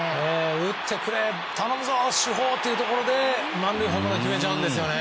打ってくれ頼むぞ、主砲というところで満塁ホームランを決めちゃうんですよね。